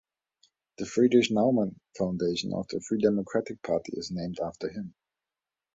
The Friedrich Naumann Foundation of the Free Democratic Party is named after him.